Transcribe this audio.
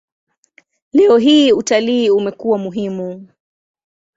Leo hii utalii umekuwa muhimu.